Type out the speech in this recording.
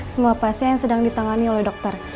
semua pasien yang sedang ditangani oleh dokter